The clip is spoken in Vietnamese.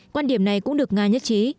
quan điểm này cũng được nga nhất trí